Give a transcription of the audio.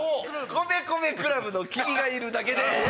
米米ＣＬＵＢの「君がいるだけで」